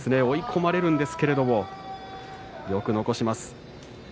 追い込まれるんですけれどもよく残します。